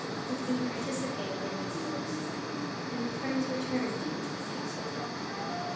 Ruthven participated in these hopes, and the friends returned into the council tent.